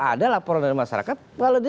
ada laporan dari masyarakat kalau dia